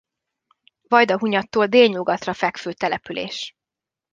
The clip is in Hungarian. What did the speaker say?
Vajdahunyadtól délnyugatra fekvő település.